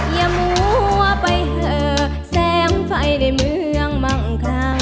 อย่ามัวไปเหอะแสงไฟในเมืองบางครั้ง